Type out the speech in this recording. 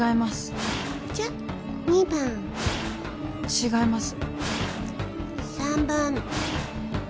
違います。